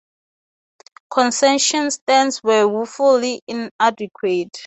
Concession stands were woefully inadequate.